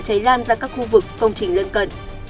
cháy lan ra các khu vực công trình lân cận